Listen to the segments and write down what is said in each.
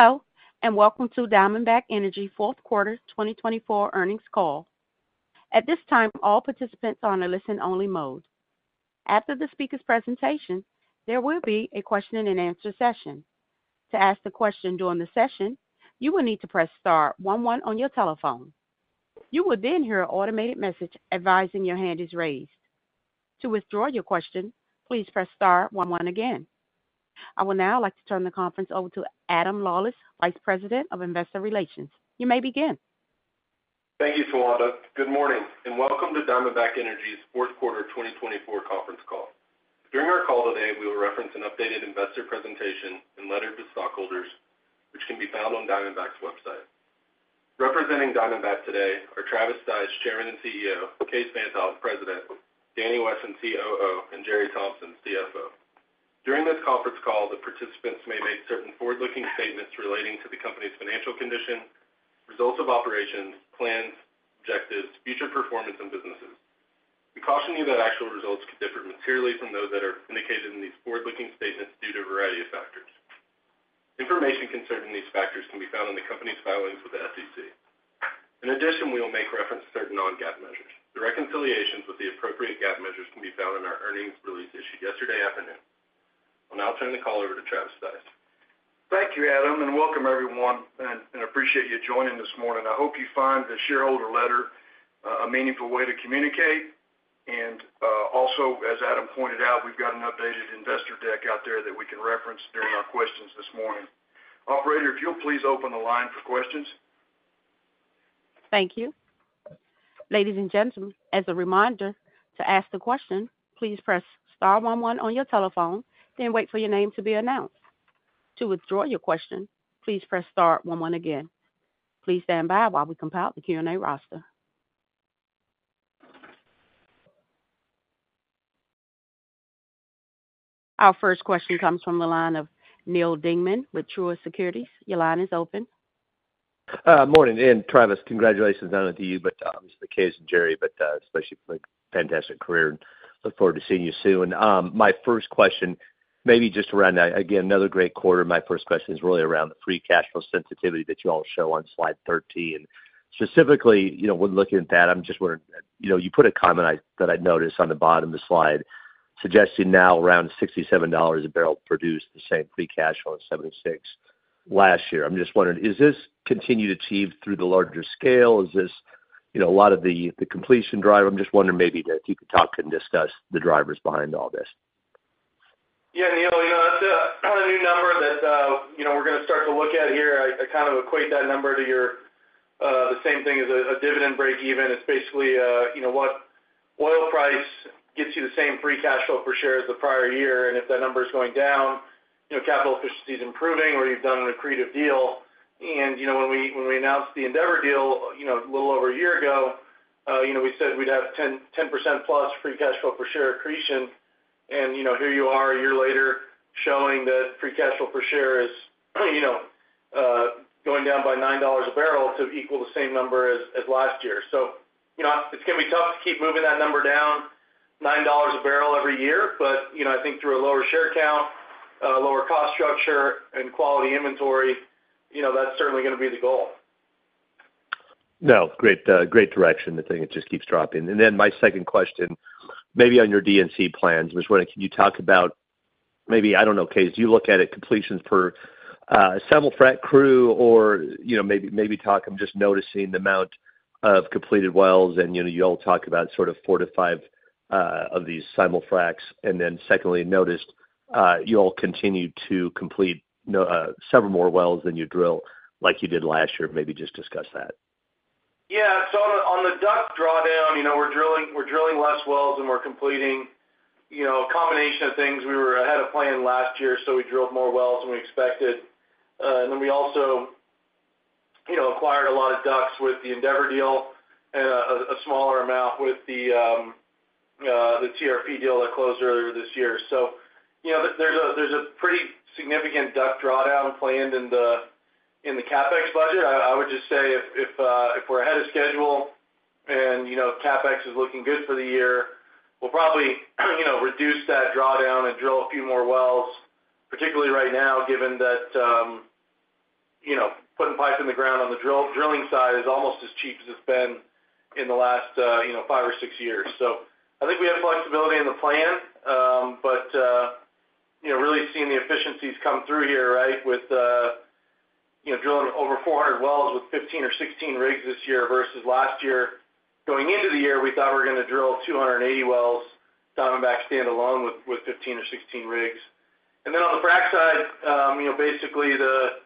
Hello, and welcome to Diamondback Energy fourth quarter 2024 earnings call. At this time, all participants are on a listen-only mode. After the speaker's presentation, there will be a question-and-answer session. To ask a question during the session, you will need to press star 11 on your telephone. You will then hear an automated message advising your hand is raised. To withdraw your question, please press star 11 again. I would now like to turn the conference over to Adam Lawlis, Vice President of Investor Relations. You may begin. Thank you, Tawanda. Good morning, and welcome to Diamondback Energy's fourth quarter 2024 conference call. During our call today, we will reference an updated investor presentation and letter to stockholders, which can be found on Diamondback's website. Representing Diamondback today are Travis Stice, Chairman and CEO; Kaes Van't Hof, President; Danny Wesson, COO; and Jere Thompson, CFO. During this conference call, the participants may make certain forward-looking statements relating to the company's financial condition, results of operations, plans, objectives, future performance of businesses. We caution you that actual results could differ materially from those that are indicated in these forward-looking statements due to a variety of factors. Information concerning these factors can be found in the company's filings with the SEC. In addition, we will make reference to certain non-GAAP measures. The reconciliations with the appropriate GAAP measures can be found in our earnings release issued yesterday afternoon. I'll now turn the call over to Travis Stice. Thank you, Adam, and welcome everyone. I appreciate you joining this morning. I hope you find the shareholder letter a meaningful way to communicate. Also, as Adam pointed out, we've got an updated investor deck out there that we can reference during our questions this morning. Operator, if you'll please open the line for questions. Thank you. Ladies and gentlemen, as a reminder, to ask a question, please press star 11 on your telephone, then wait for your name to be announced. To withdraw your question, please press star 11 again. Please stand by while we compile the Q&A roster. Our first question comes from the line of Neil Dingmann with Truist Securities. Your line is open. Morning, and Travis, congratulations on it to you, but obviously to Kaes and Jere, but especially for a fantastic career. I look forward to seeing you soon. My first question, maybe just around that. Again, another great quarter. My first question is really around the free cash flow sensitivity that you all show on Slide 13. Specifically, when looking at that, I'm just wondering. You put a comment that I noticed on the bottom of the slide suggesting now around $67 a barrel produces the same free cash flow as $76 last year. I'm just wondering, is this continued achieved through the larger scale? Is this a lot of the completion driver? I'm just wondering maybe if you could talk and discuss the drivers behind all this. Yeah, Neil, that's a new number that we're going to start to look at here. I kind of equate that number to the same thing as a dividend break even. It's basically what oil price gets you the same free cash flow per share as the prior year. And if that number is going down, capital efficiency is improving or you've done an accretive deal. And when we announced the Endeavor deal a little over a year ago, we said we'd have 10%+ free cash flow per share accretion. And here you are a year later showing that free cash flow per share is going down by $9 a barrel to equal the same number as last year. So it's going to be tough to keep moving that number down, $9 a barrel every year. But I think through a lower share count, lower cost structure, and quality inventory, that's certainly going to be the goal. No, great direction. The thing just keeps dropping. And then my second question, maybe on your D&C plans, I was wondering, can you talk about maybe, I don't know, Kaes, do you look at it completions per simul-frac crew or maybe talk? I'm just noticing the amount of completed wells, and you all talk about sort of four to five of these simul-fracs. And then secondly, noticed you all continue to complete several more wells than you drill like you did last year. Maybe just discuss that. Yeah, so on the DUC drawdown, we're drilling less wells and we're completing a combination of things. We were ahead of plan last year, so we drilled more wells than we expected, and then we also acquired a lot of DUCs with the Endeavor deal and a smaller amount with the TRP deal that closed earlier this year, so there's a pretty significant DUC drawdown planned in the CapEx budget. I would just say if we're ahead of schedule and CapEx is looking good for the year, we'll probably reduce that drawdown and drill a few more wells, particularly right now, given that putting pipe in the ground on the drilling side is almost as cheap as it's been in the last five or six years. So, I think we have flexibility in the plan, but really seeing the efficiencies come through here, right, with drilling over 400 wells with 15 or 16 rigs this year versus last year. Going into the year, we thought we were going to drill 280 wells, Diamondback standalone with 15 or 16 rigs. And then on the frac side, basically the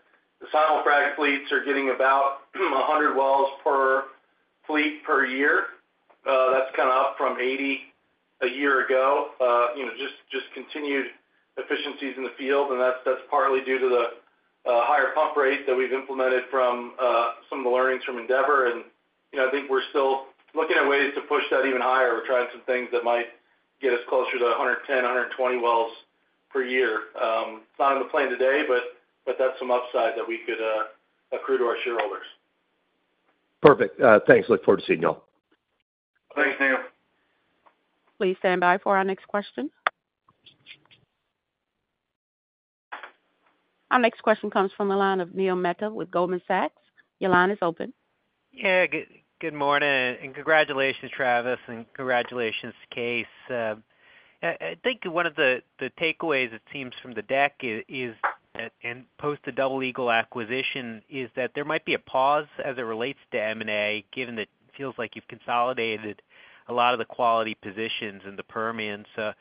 simul-frac fleets are getting about 100 wells per fleet per year. That's kind of up from 80 a year ago, just continued efficiencies in the field. And that's partly due to the higher pump rate that we've implemented from some of the learnings from Endeavor. And I think we're still looking at ways to push that even higher. We're trying some things that might get us closer to 110 wells-120 wells per year.It's not in the plan today, but that's some upside that we could accrue to our shareholders. Perfect. Thanks. Look forward to seeing y'all. Thanks, Neil. Please stand by for our next question. Our next question comes from the line of Neil Mehta with Goldman Sachs. Your line is open. Yeah, good morning, and congratulations, Travis, and congratulations, Kaes. I think one of the takeaways, it seems, from the deck is that post the Double Eagle acquisition, there might be a pause as it relates to M&A given that it feels like you've consolidated a lot of the quality positions in the Permians. Kaes,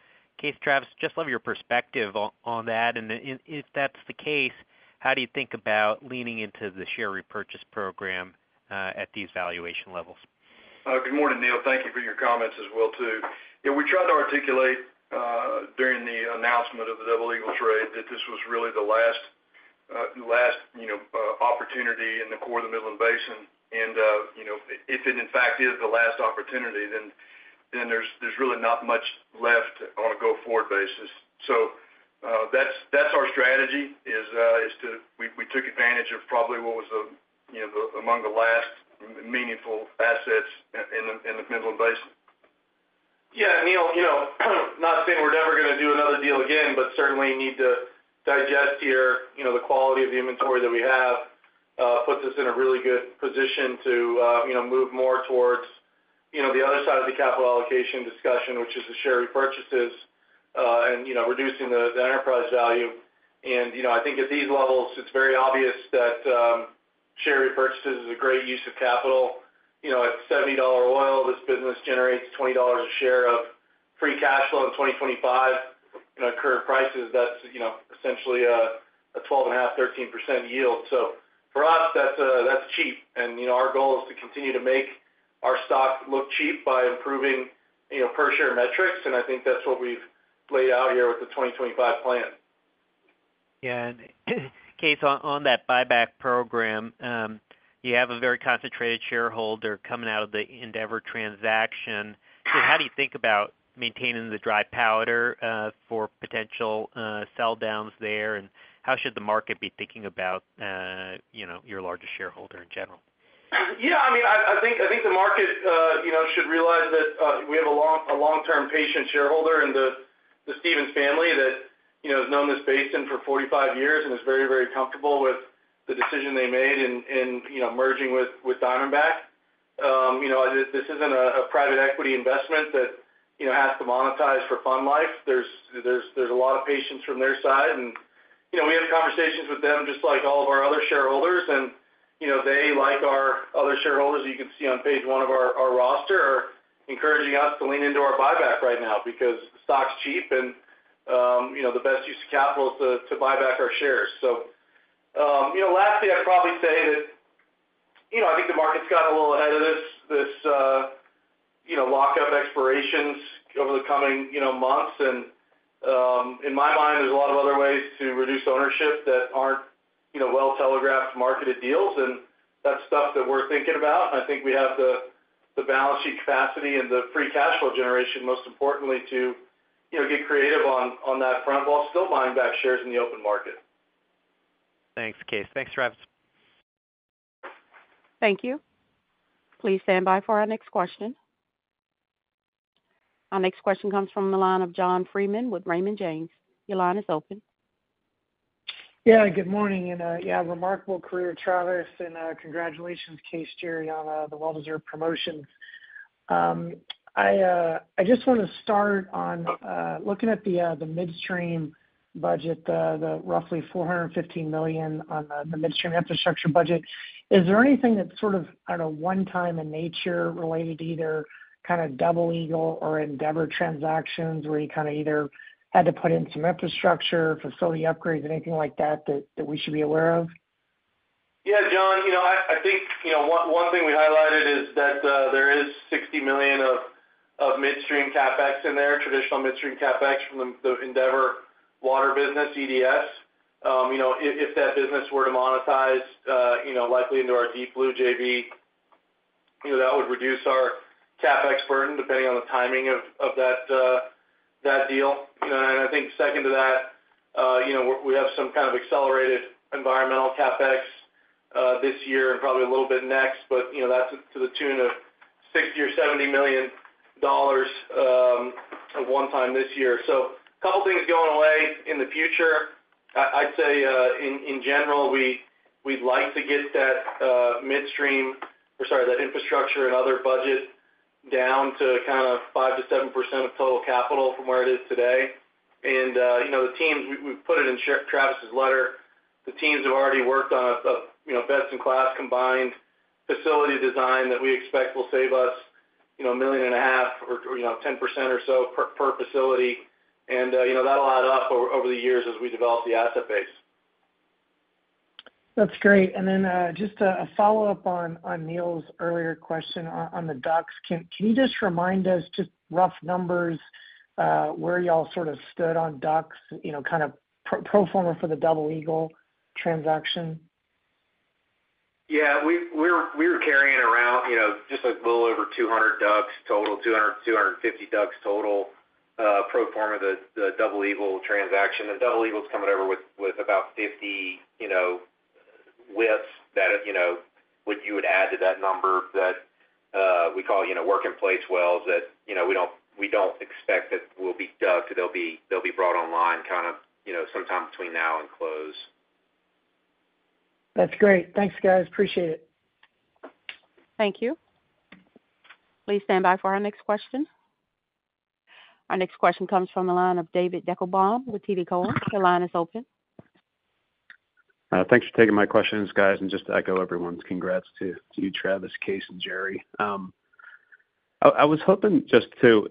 Travis, just love your perspective on that, and if that's the case, how do you think about leaning into the share repurchase program at these valuation levels? Good morning, Neil. Thank you for your comments as well too. Yeah, we tried to articulate during the announcement of the Double Eagle trade that this was really the last opportunity in the core of the Midland Basin. And if it in fact is the last opportunity, then there's really not much left on a go-forward basis. So that's our strategy. We took advantage of probably what was among the last meaningful assets in the Midland Basin. Yeah, Neil, not saying we're never going to do another deal again, but certainly need to digest here the quality of the inventory that we have. Put this in a really good position to move more towards the other side of the capital allocation discussion, which is the share repurchases and reducing the enterprise value. And I think at these levels, it's very obvious that share repurchases is a great use of capital. At $70 oil, this business generates $20 a share of free cash flow in 2025. At current prices, that's essentially a 12.5%, 13% yield. So for us, that's cheap. And our goal is to continue to make our stock look cheap by improving per-share metrics. And I think that's what we've laid out here with the 2025 plan. Yeah. And Kaes, on that buyback program, you have a very concentrated shareholder coming out of the Endeavor transaction. How do you think about maintaining the dry powder for potential sell-downs there? And how should the market be thinking about your largest shareholder in general? Yeah, I mean, I think the market should realize that we have a long-term patient shareholder in the Stephens family that has known this basin for 45 years and is very, very comfortable with the decision they made in merging with Diamondback. This isn't a private equity investment that has to monetize for fund life. There's a lot of patience from their side. And we have conversations with them just like all of our other shareholders. And they, like our other shareholders you can see on page one of our roster, are encouraging us to lean into our buyback right now because the stock's cheap and the best use of capital is to buy back our shares. So lastly, I'd probably say that I think the market's gotten a little ahead of this lockup expirations over the coming months. And in my mind, there's a lot of other ways to reduce ownership that aren't well-telegraphed marketed deals. And that's stuff that we're thinking about. And I think we have the balance sheet capacity and the free cash flow generation, most importantly, to get creative on that front while still buying back shares in the open market. Thanks, Kaes. Thanks, Travis. Thank you. Please stand by for our next question. Our next question comes from the line of John Freeman with Raymond James. Your line is open. Yeah, good morning. And yeah, remarkable career, Travis. And congratulations, Kaes, Jere, on the well-deserved promotions. I just want to start on looking at the midstream budget, the roughly $415 million on the midstream infrastructure budget. Is there anything that's sort of, I don't know, one-time in nature related to either kind of Double Eagle or Endeavor transactions where you kind of either had to put in some infrastructure, facility upgrades, anything like that that we should be aware of? Yeah, John, I think one thing we highlighted is that there is $60 million of midstream CapEx in there, traditional midstream CapEx from the Endeavor water business, EDS. If that business were to monetize likely into our Deep Blue JV, that would reduce our CapEx burden depending on the timing of that deal. And I think second to that, we have some kind of accelerated environmental CapEx this year and probably a little bit next, but that's to the tune of $60 or $70 million of one-time this year. So a couple of things going away in the future. I'd say in general, we'd like to get that midstream or sorry, that infrastructure and other budget down to kind of 5%-7% of total capital from where it is today. And the teams, we've put it in Travis's letter, the teams have already worked on a best-in-class combined facility design that we expect will save us $1.5 million or 10% or so per facility. And that'll add up over the years as we develop the asset base. That's great. And then just a follow-up on Neil's earlier question on the DUCs. Can you just remind us just rough numbers where y'all sort of stood on DUCs, kind of pro forma for the Double Eagle transaction? Yeah, we were carrying around just a little over 200 DUCs total, 200 to 250 DUCs total pro forma of the Double Eagle transaction. The Double Eagle's coming over with about 50 WIPs that you would add to that number that we call work-in-place wells that we don't expect that will be DUCs. They'll be brought online kind of sometime between now and close. That's great. Thanks, guys. Appreciate it. Thank you. Please stand by for our next question. Our next question comes from the line of David Deckelbaum with TD Cowen. The line is open. Thanks for taking my questions, guys. And just to echo everyone's congrats to you, Travis, Kaes, and Jere. I was hoping just to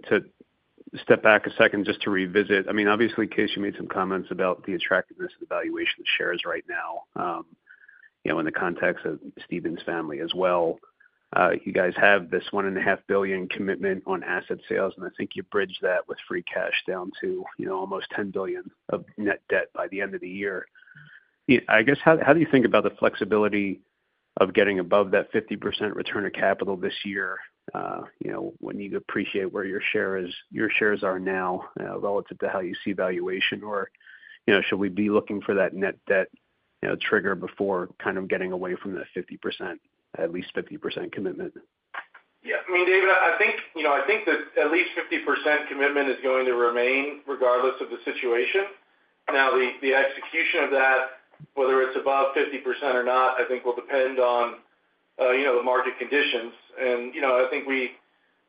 step back a second just to revisit. I mean, obviously, Kaes, you made some comments about the attractiveness of the valuation of shares right now in the context of Stephens family as well. You guys have this $1.5 billion commitment on asset sales, and I think you bridge that with free cash down to almost $10 billion of net debt by the end of the year. I guess, how do you think about the flexibility of getting above that 50% return of capital this year when you appreciate where your shares are now relative to how you see valuation? Or should we be looking for that net debt trigger before kind of getting away from that 50%, at least 50% commitment? Yeah. I mean, David, I think that at least 50% commitment is going to remain regardless of the situation. Now, the execution of that, whether it's above 50% or not, I think will depend on the market conditions. And I think in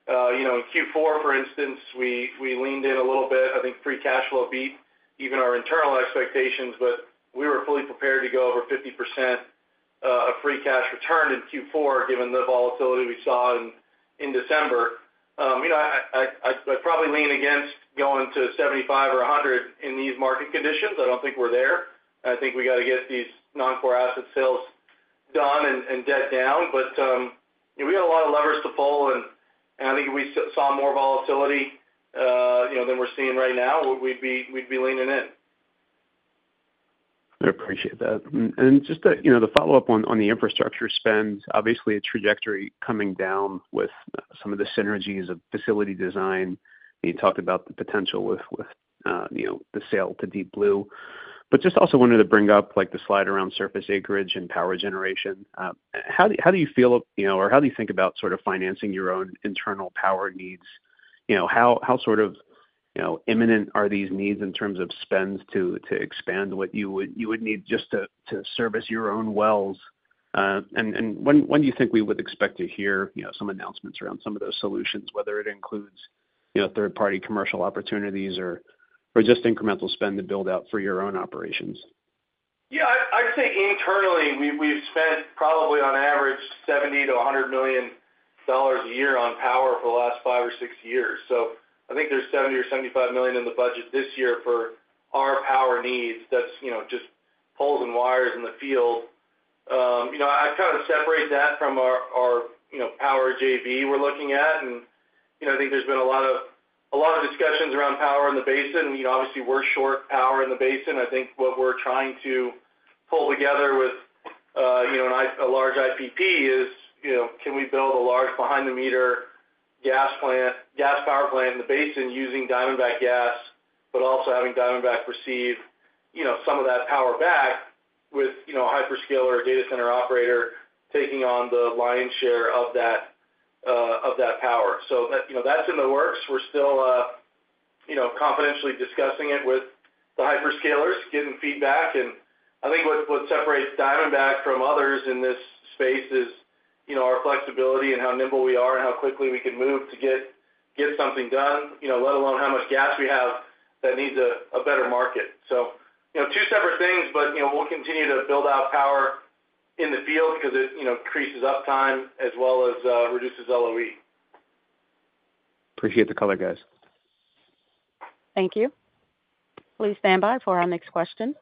Q4, for instance, we leaned in a little bit, I think, free cash flow beat even our internal expectations, but we were fully prepared to go over 50% of free cash return in Q4 given the volatility we saw in December. I'd probably lean against going to 75% or 100% in these market conditions. I don't think we're there. I think we got to get these non-core asset sales done and debt down. But we got a lot of levers to pull, and I think if we saw more volatility than we're seeing right now, we'd be leaning in. I appreciate that. And just the follow-up on the infrastructure spend, obviously a trajectory coming down with some of the synergies of facility design. You talked about the potential with the sale to Deep Blue. But just also wanted to bring up the slide around surface acreage and power generation. How do you feel or how do you think about sort of financing your own internal power needs? How sort of imminent are these needs in terms of spends to expand what you would need just to service your own wells? And when do you think we would expect to hear some announcements around some of those solutions, whether it includes third-party commercial opportunities or just incremental spend to build out for your own operations? Yeah, I'd say internally, we've spent probably on average $70 million-$100 million a year on power for the last five or six years. So I think there's $70 million or $75 million in the budget this year for our power needs. That's just poles and wires in the field. I'd kind of separate that from our power JV we're looking at. And I think there's been a lot of discussions around power in the basin. Obviously, we're short power in the basin. I think what we're trying to pull together with a large IPP is can we build a large behind-the-meter gas power plant in the basin using Diamondback gas, but also having Diamondback receive some of that power back with a hyperscaler or data center operator taking on the lion's share of that power. So that's in the works. We're still confidentially discussing it with the hyperscalers, getting feedback. I think what separates Diamondback from others in this space is our flexibility and how nimble we are and how quickly we can move to get something done, let alone how much gas we have that needs a better market. Two separate things, but we'll continue to build out power in the field because it increases uptime as well as reduces LOE. Appreciate the color, guys. Thank you. Please stand by for our next question.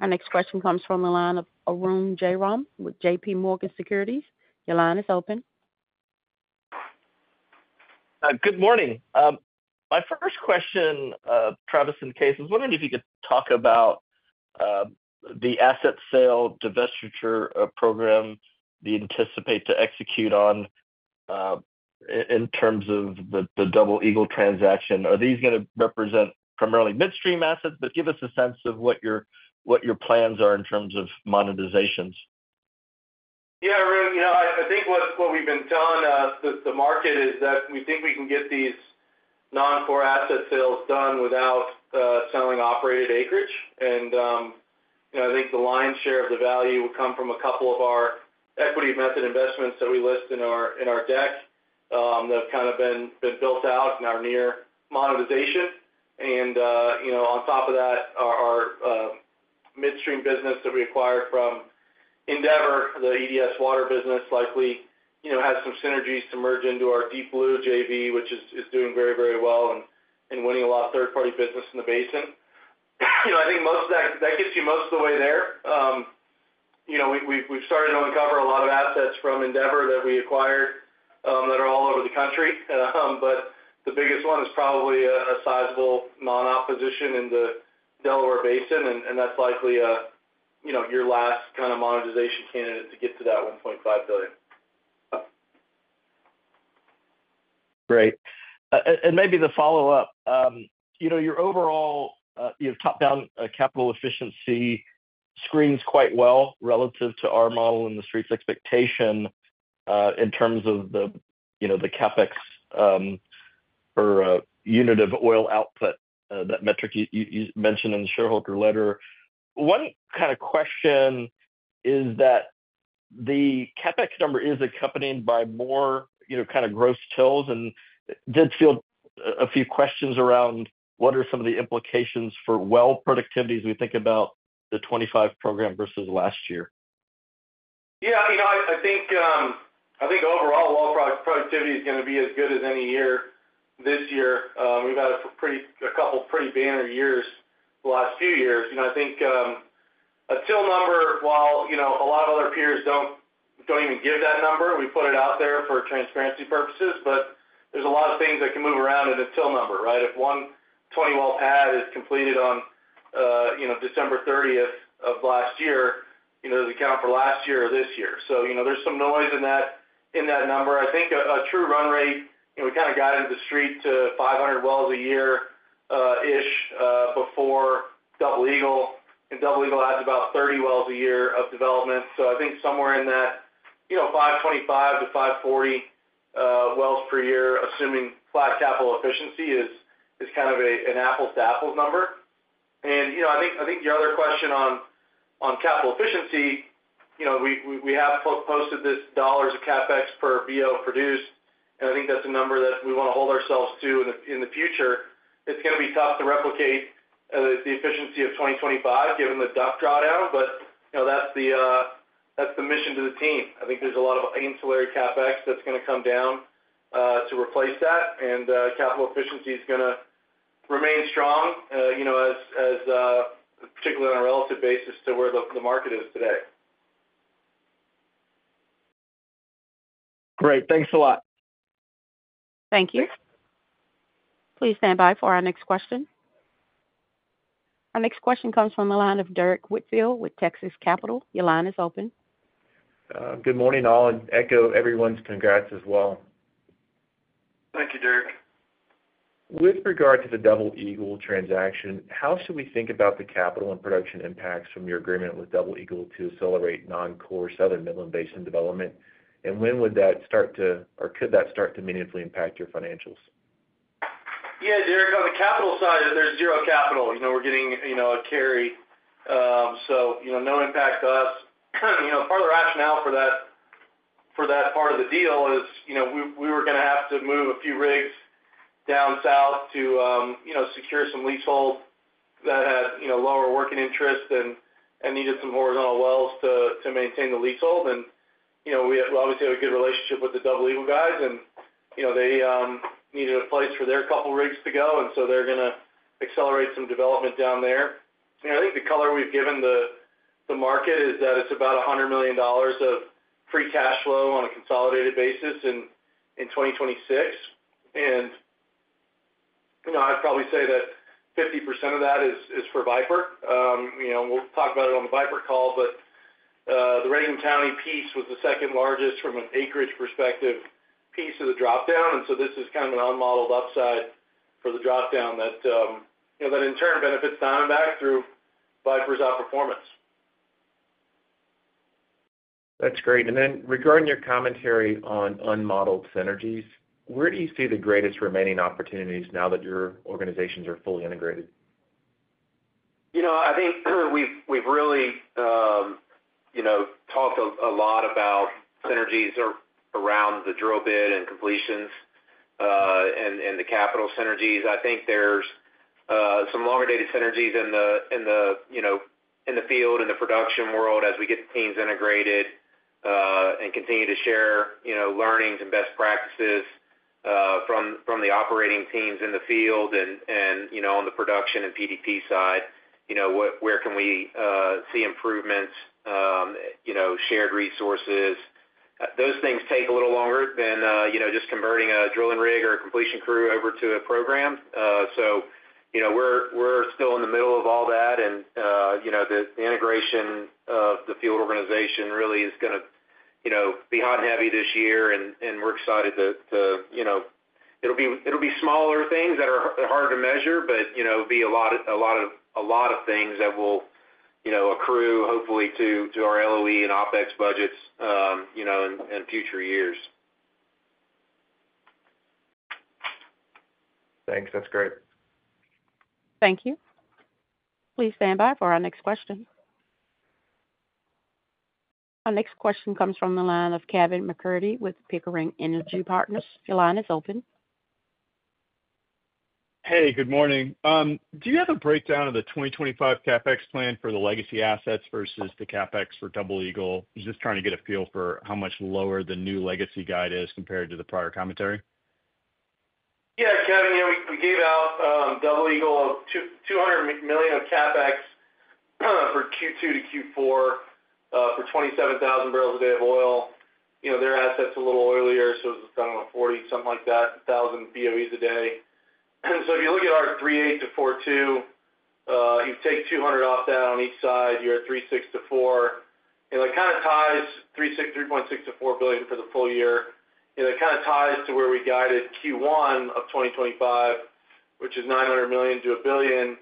Our next question comes from the line of Arun Jayaram with JPMorgan Securities. Your line is open. Good morning. My first question, Travis and Kaes, I was wondering if you could talk about the asset sale divestiture program you anticipate to execute on in terms of the Double Eagle transaction. Are these going to represent primarily midstream assets, but give us a sense of what your plans are in terms of monetizations? Yeah, Arun, I think what we've been telling the market is that we think we can get these non-core asset sales done without selling operated acreage. And I think the lion's share of the value will come from a couple of our equity method investments that we list in our deck that have kind of been built out in our near monetization. And on top of that, our midstream business that we acquired from Endeavor, the EDS water business, likely has some synergies to merge into our Deep Blue JV, which is doing very, very well and winning a lot of third-party business in the basin. I think that gets you most of the way there. We've started to uncover a lot of assets from Endeavor that we acquired that are all over the country. But the biggest one is probably a sizable non-op position in the Delaware Basin. That's likely your last kind of monetization candidate to get to that $1.5 billion. Great. And maybe the follow-up. Your overall top-down capital efficiency screens quite well relative to our model and the Street's expectation in terms of the CapEx per unit of oil output, that metric you mentioned in the shareholder letter. One kind of question is that the CapEx number is accompanied by more kind of gross TILs. And did field a few questions around what are some of the implications for well productivity as we think about the 2025 program versus last year? Yeah, I think overall, well productivity is going to be as good as any year this year. We've had a couple of pretty banner years the last few years. I think a TIL number, while a lot of other peers don't even give that number, we put it out there for transparency purposes. But there's a lot of things that can move around in a TIL number, right? If one 20-well pad is completed on December 30th of last year, does it count for last year or this year? So there's some noise in that number. I think a true run rate, we kind of got into the street to 500 wells a year-ish before Double Eagle. And Double Eagle adds about 30 wells a year of development. So I think somewhere in that 525 wells-540 wells per year, assuming flat capital efficiency is kind of an apples-to-apples number. I think your other question on capital efficiency. We have posted this dollar of CapEx per BO produced. I think that's a number that we want to hold ourselves to in the future. It's going to be tough to replicate the efficiency of 2025 given the DUC drawdown. That's the mission to the team. I think there's a lot of ancillary CapEx that's going to come down to replace that. Capital efficiency is going to remain strong, particularly on a relative basis to where the market is today. Great. Thanks a lot. Thank you. Please stand by for our next question. Our next question comes from the line of Derrick Whitfield with Texas Capital. Your line is open. Good morning, Adam. Echo everyone's congrats as well. Thank you, Derek. With regard to the Double Eagle transaction, how should we think about the capital and production impacts from your agreement with Double Eagle to accelerate non-core Southern Midland Basin development? And when would that start to, or could that start to meaningfully impact your financials? Yeah, Derek, on the capital side, there's zero capital. We're getting a carry. So no impact to us. Part of the rationale for that part of the deal is we were going to have to move a few rigs down south to secure some leasehold that had lower working interest and needed some horizontal wells to maintain the leasehold. And we obviously have a good relationship with the Double Eagle guys, and they needed a place for their couple rigs to go. And so they're going to accelerate some development down there. I think the color we've given the market is that it's about $100 million of free cash flow on a consolidated basis in 2026. And I'd probably say that 50% of that is for Viper. We'll talk about it on the Viper call, but the Reagan County piece was the second largest from an acreage perspective piece of the dropdown, and so this is kind of an unmodeled upside for the dropdown that in turn benefits Diamondback through Viper's outperformance. That's great. And then regarding your commentary on unmodeled synergies, where do you see the greatest remaining opportunities now that your organizations are fully integrated? I think we've really talked a lot about synergies around the drill bit and completions and the capital synergies. I think there's some longer-dated synergies in the field and the production world as we get the teams integrated and continue to share learnings and best practices from the operating teams in the field and on the production and PDP side. Where can we see improvements, shared resources? Those things take a little longer than just converting a drilling rig or a completion crew over to a program. So we're still in the middle of all that. And the integration of the field organization really is going to be hot and heavy this year. And we're excited to. It'll be smaller things that are harder to measure, but it'll be a lot of things that will accrue, hopefully, to our LOE and OpEx budgets in future years. Thanks. That's great. Thank you. Please stand by for our next question. Our next question comes from the line of Kevin MacCurdy with Pickering Energy Partners. Your line is open. Hey, good morning. Do you have a breakdown of the 2025 CapEx plan for the legacy assets versus the CapEx for Double Eagle? Just trying to get a feel for how much lower the new legacy guide is compared to the prior commentary. Yeah, Kevin, we gave out Double Eagle $200 million of CapEx for Q2 to Q4 for 27,000 bbl a day of oil. Their assets are a little earlier, so it's kind of a 40-something like that, 1,000 BOEs a day. And so if you look at our $3.8 billion-$4.2 billion, you take 200 off that on each side. You're at $3.6 billion-$4 billion. And it kind of ties $3.6-$4 billion for the full year. And it kind of ties to where we guided Q1 of 2025, which is $900 million-$1 billion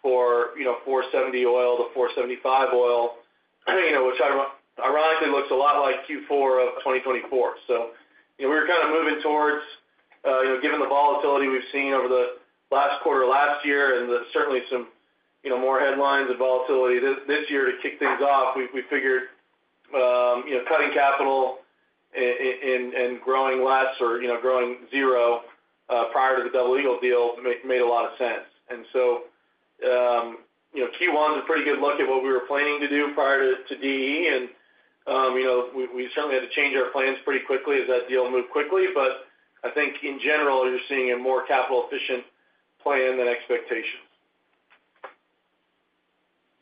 for 470 oil-475 oil, which ironically looks a lot like Q4 of 2024. So we were kind of moving towards, given the volatility we've seen over the last quarter last year and certainly some more headlines and volatility this year to kick things off, we figured cutting capital and growing less or growing zero prior to the Double Eagle deal made a lot of sense. And so Q1 was a pretty good look at what we were planning to do prior to DE. And we certainly had to change our plans pretty quickly as that deal moved quickly. But I think in general, you're seeing a more capital-efficient plan than expectations.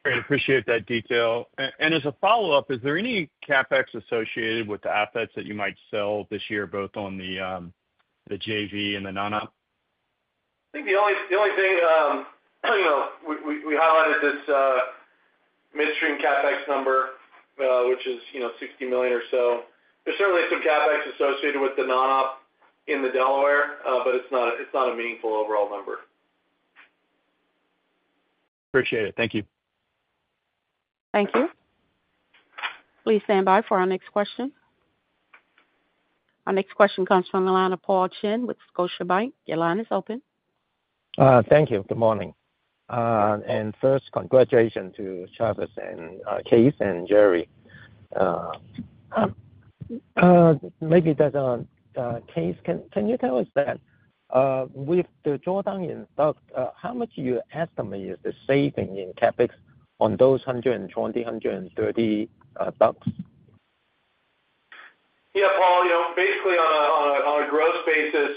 Great. Appreciate that detail. And as a follow-up, is there any CapEx associated with the assets that you might sell this year, both on the JV and the non-op? I think the only thing we highlighted this midstream CapEx number, which is $60 million or so. There's certainly some CapEx associated with the non-op in the Delaware, but it's not a meaningful overall number. Appreciate it. Thank you. Thank you. Please stand by for our next question. Our next question comes from the line of Paul Cheng with Scotiabank. Your line is open. Thank you. Good morning. First, congratulations to Travis and Kaes and Jere. Maybe that's on Kaes. Can you tell us that with the drawdown in DUC, how much do you estimate is the saving in CapEx on those 120, 130 DUCs? Yeah, Paul, basically on a gross basis,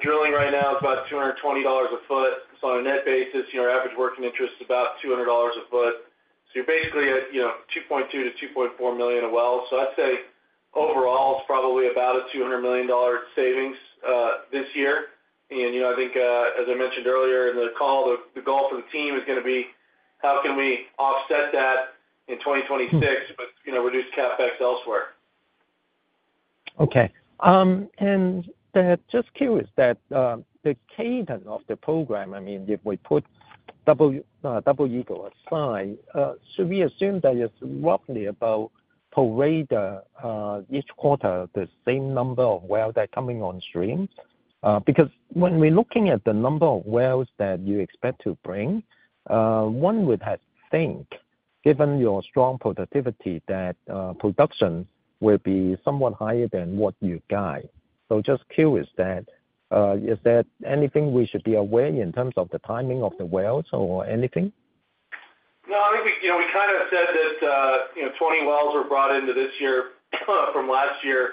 drilling right now is about $220 a foot. So on a net basis, your average working interest is about $200 a foot. So you're basically at $2.2 million-$2.4 million a well. So I'd say overall, it's probably about a $200 million savings this year. And I think, as I mentioned earlier in the call, the goal for the team is going to be how can we offset that in 2026 but reduce CapEx elsewhere. Okay. And just curious that the cadence of the program, I mean, if we put Double Eagle aside, should we assume that it's roughly about four rigs each quarter, the same number of wells that are coming on stream? Because when we're looking at the number of wells that you expect to bring, one would think, given your strong productivity, that production will be somewhat higher than what you got. So just curious that, is there anything we should be aware in terms of the timing of the wells or anything? No, I think we kind of said that 20 wells were brought into this year from last year.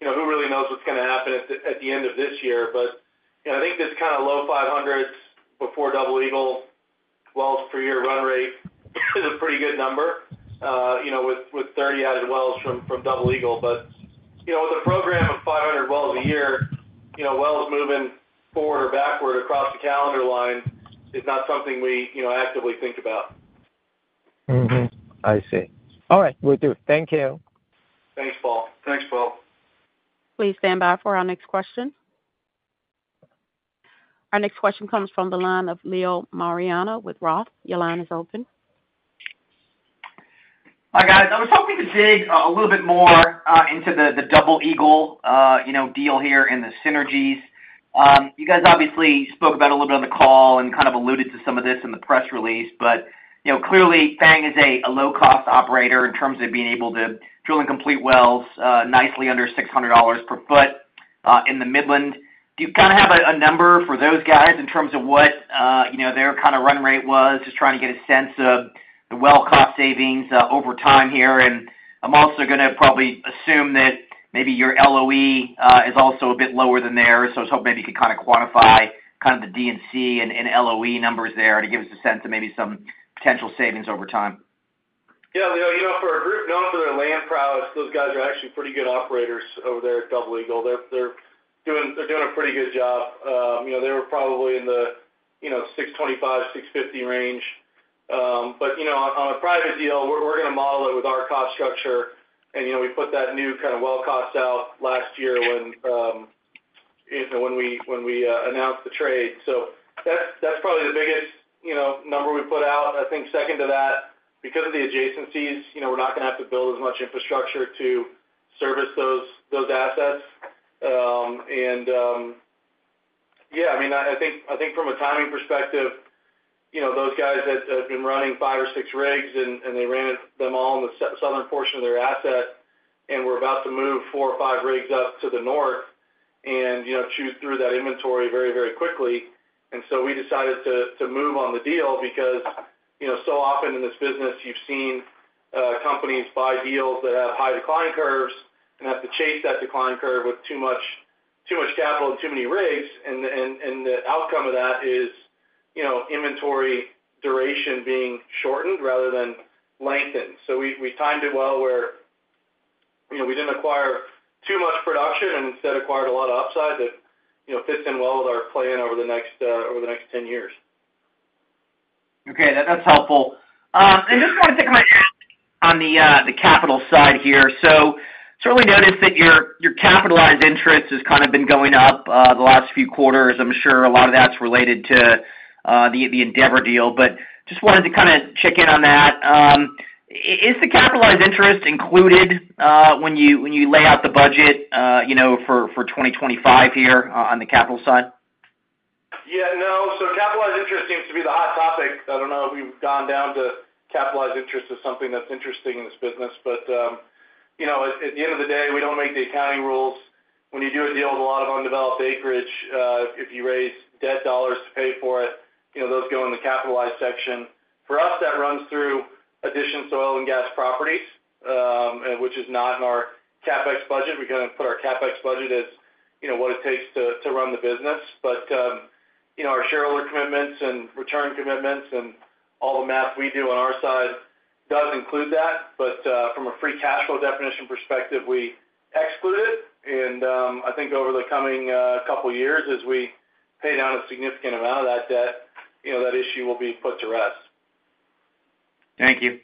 Who really knows what's going to happen at the end of this year? But I think this kind of low 500s before Double Eagle wells per year run rate is a pretty good number with 30 added wells from Double Eagle. But with a program of 500 wells a year, wells moving forward or backward across the calendar line is not something we actively think about. I see. All right, we're through. Thank you. Thanks, Paul. Thanks, Paul. Please stand by for our next question. Our next question comes from the line of Leo Mariani with ROTH. Your line is open. Hi, guys. I was hoping to dig a little bit more into the Double Eagle deal here and the synergies. You guys obviously spoke about a little bit on the call and kind of alluded to some of this in the press release. But clearly, FANG is a low-cost operator in terms of being able to drill and complete wells nicely under $600 per foot in the Midland. Do you kind of have a number for those guys in terms of what their kind of run rate was, just trying to get a sense of the well cost savings over time here? And I'm also going to probably assume that maybe your LOE is also a bit lower than theirs. So I was hoping maybe you could kind of quantify kind of the D&C and LOE numbers there to give us a sense of maybe some potential savings over time. Yeah, Leo, for a group known for their land prowess, those guys are actually pretty good operators over there at Double Eagle. They're doing a pretty good job. They were probably in the 625-650 range. But on a private deal, we're going to model it with our cost structure. And we put that new kind of well cost out last year when we announced the trade. So that's probably the biggest number we put out. I think second to that, because of the adjacencies, we're not going to have to build as much infrastructure to service those assets. And yeah, I mean, I think from a timing perspective, those guys that have been running five or six rigs, and they ran them all in the southern portion of their asset, and we're about to move four or five rigs up to the north and chew through that inventory very, very quickly. And so we decided to move on the deal because so often in this business, you've seen companies buy deals that have high decline curves and have to chase that decline curve with too much capital and too many rigs. And the outcome of that is inventory duration being shortened rather than lengthened. So we timed it well where we didn't acquire too much production and instead acquired a lot of upside that fits in well with our plan over the next 10 years. Okay. That's helpful. And just wanted to kind of ask on the capital side here. So certainly noticed that your capitalized interest has kind of been going up the last few quarters. I'm sure a lot of that's related to the Endeavor deal. But just wanted to kind of check in on that. Is the capitalized interest included when you lay out the budget for 2025 here on the capital side? Yeah. No. So capitalized interest seems to be the hot topic. I don't know if we've gone down to capitalized interest as something that's interesting in this business. But at the end of the day, we don't make the accounting rules. When you do a deal with a lot of undeveloped acreage, if you raise debt dollars to pay for it, those go in the capitalized section. For us, that runs through addition to oil and gas properties, which is not in our CapEx budget. We kind of put our CapEx budget as what it takes to run the business. But our shareholder commitments and return commitments and all the math we do on our side does include that. But from a free cash flow definition perspective, we exclude it. I think over the coming couple of years, as we pay down a significant amount of that debt, that issue will be put to rest. Thank you.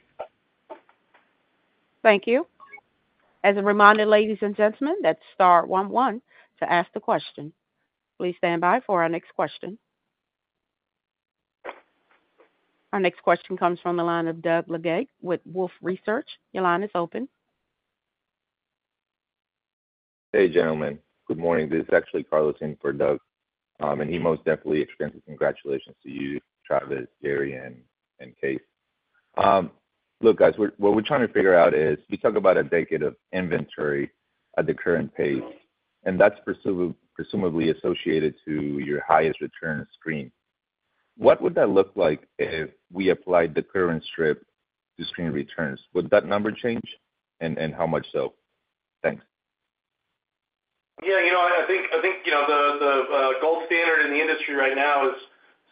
Thank you. As a reminder, ladies and gentlemen, that's star 11 to ask the question. Please stand by for our next question. Our next question comes from the line of Doug Leggett with Wolfe Research. Your line is open. Hey, gentlemen. Good morning. This is actually Carlos in for Doug. And he most definitely extends his congratulations to you, Travis, Jere, and Kaes. Look, guys, what we're trying to figure out is we talk about a decade of inventory at the current pace, and that's presumably associated to your highest return screen. What would that look like if we applied the current strip to screen returns? Would that number change? And how much so? Thanks. Yeah. I think the gold standard in the industry right now is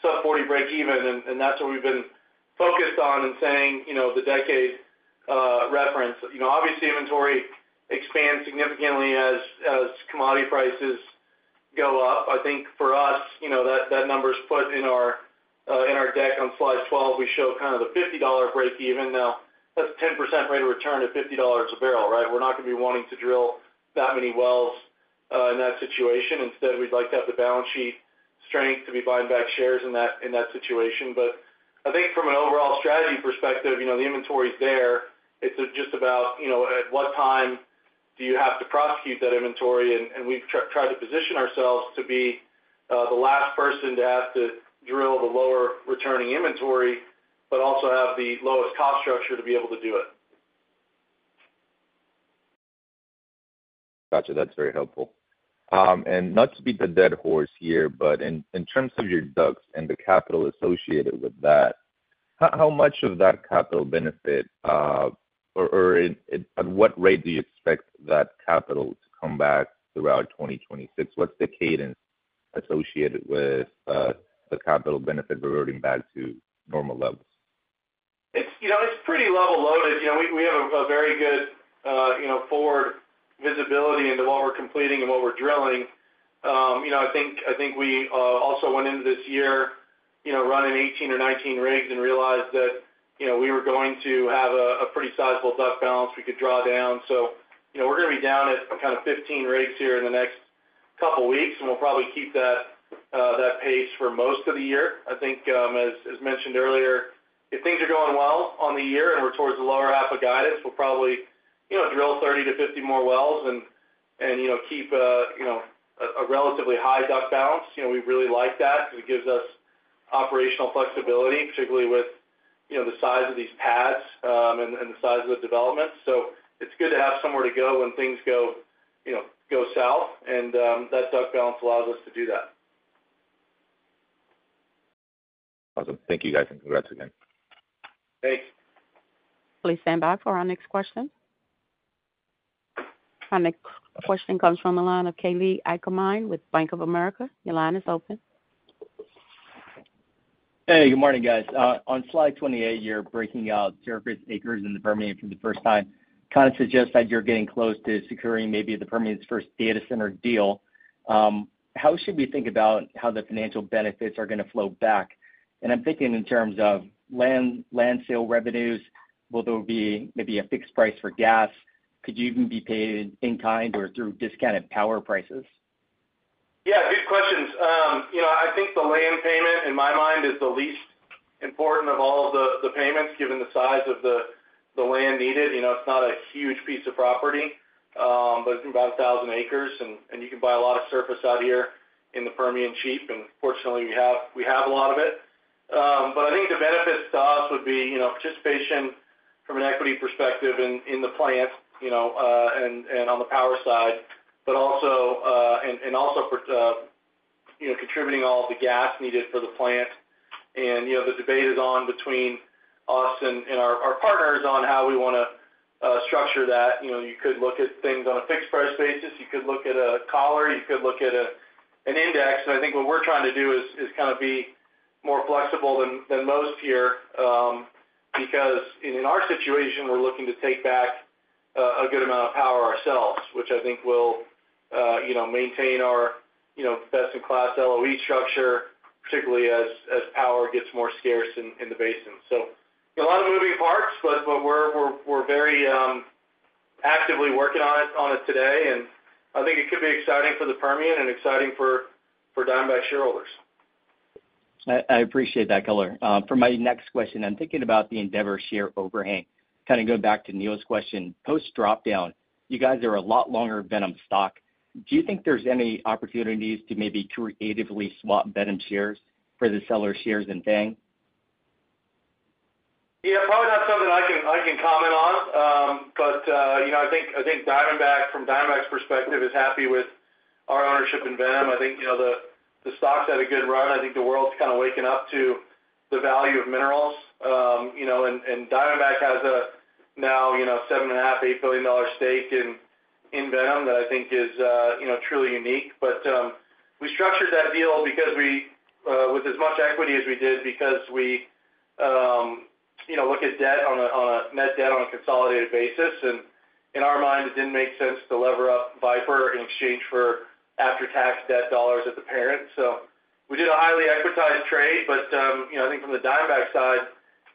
sub-40 break even. And that's what we've been focused on and saying the decade reference. Obviously, inventory expands significantly as commodity prices go up. I think for us, that number's put in our deck on Slide 12. We show kind of the $50 break even. Now, that's a 10% rate of return at $50 a barrel, right? We're not going to be wanting to drill that many wells in that situation. Instead, we'd like to have the balance sheet strength to be buying back shares in that situation. But I think from an overall strategy perspective, the inventory's there. It's just about at what time do you have to prosecute that inventory? We've tried to position ourselves to be the last person to have to drill the lower returning inventory, but also have the lowest cost structure to be able to do it. Gotcha. That's very helpful. And not to be the dead horse here, but in terms of your DUCs and the capital associated with that, how much of that capital benefit or at what rate do you expect that capital to come back throughout 2026? What's the cadence associated with the capital benefit reverting back to normal levels? It's pretty level loaded. We have a very good forward visibility into what we're completing and what we're drilling. I think we also went into this year running 18 or 19 rigs and realized that we were going to have a pretty sizable DUC balance we could draw down, so we're going to be down at kind of 15 rigs here in the next couple of weeks, and we'll probably keep that pace for most of the year. I think, as mentioned earlier, if things are going well on the year and we're towards the lower half of guidance, we'll probably drill 30-50 more wells and keep a relatively high DUC balance. We really like that because it gives us operational flexibility, particularly with the size of these pads and the size of the development. So it's good to have somewhere to go when things go south. That DUC balance allows us to do that. Awesome. Thank you, guys, and congrats again. Thanks. Please stand by for our next question. Our next question comes from the line of Kalei Akamine with Bank of America. Your line is open. Hey, good morning, guys. On Slide 28, you're breaking out surface acres in the Permian for the first time. Kind of suggests that you're getting close to securing maybe the Permian's first data center deal. How should we think about how the financial benefits are going to flow back? And I'm thinking in terms of land sale revenues. Will there be maybe a fixed price for gas? Could you even be paid in kind or through discounted power prices? Yeah. Good questions. I think the land payment, in my mind, is the least important of all of the payments given the size of the land needed. It's not a huge piece of property, but it's about 1,000 acres, and you can buy a lot of surface out here in the Permian cheap. Fortunately, we have a lot of it, but I think the benefits to us would be participation from an equity perspective in the plant and on the power side, and also contributing all of the gas needed for the plant. The debate is on between us and our partners on how we want to structure that. You could look at things on a fixed price basis. You could look at a collar. You could look at an index. I think what we're trying to do is kind of be more flexible than most here because in our situation, we're looking to take back a good amount of power ourselves, which I think will maintain our best-in-class LOE structure, particularly as power gets more scarce in the basin. A lot of moving parts, but we're very actively working on it today. I think it could be exciting for the Permian and exciting for Diamondback shareholders. I appreciate that, color. For my next question, I'm thinking about the Endeavor share overhang. Kind of going back to Neil's question. Post-dropdown, you guys are a lot longer on the stock. Do you think there's any opportunities to maybe creatively swap VNOM shares for the seller shares in FANG? Yeah. Probably not something I can comment on. But I think from Diamondback's perspective, is happy with our ownership in Viper. I think the stock's had a good run. I think the world's kind of waking up to the value of minerals. And Diamondback has now a $7.5 billion-$8 billion dollar stake in Viper that I think is truly unique. But we structured that deal with as much equity as we did because we look at debt on a net debt on a consolidated basis. And in our mind, it didn't make sense to lever up Viper in exchange for after-tax debt dollars at the parent. So we did a highly equitized trade. But I think from the Diamondback side,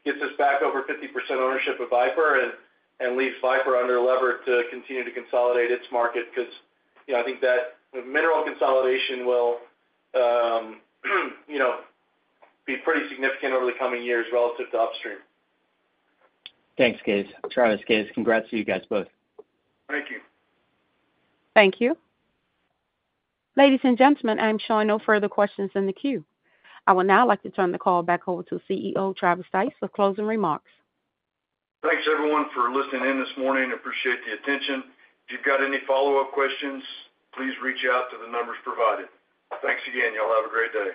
it gets us back over 50% ownership of Viper and leaves Viper underlevered to continue to consolidate its market because I think that mineral consolidation will be pretty significant over the coming years relative to upstream. Thanks, guys. Travis Stice, congrats to you guys both. Thank you. Thank you. Ladies and gentlemen, I'm sure no further questions in the queue. I would now like to turn the call back over to CEO Travis Stice for closing remarks. Thanks, everyone, for listening in this morning. Appreciate the attention. If you've got any follow-up questions, please reach out to the numbers provided. Thanks again. Y'all have a great day.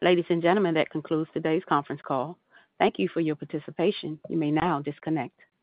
Ladies and gentlemen, that concludes today's conference call. Thank you for your participation. You may now disconnect.